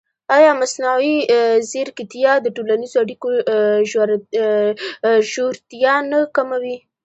ایا مصنوعي ځیرکتیا د ټولنیزو اړیکو ژورتیا نه کموي؟